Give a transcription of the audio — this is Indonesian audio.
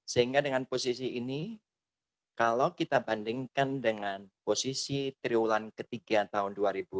sehingga dengan posisi ini kalau kita bandingkan dengan posisi triwulan ketiga tahun dua ribu dua puluh